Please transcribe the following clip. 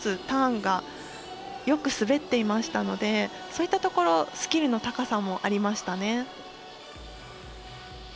ターンがよく滑っていましたのでそういったところスキルの高さもありましたね。